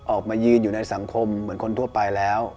ออกมายืนอยู่ในสังคมเหมือนคนทั่วไปแล้ว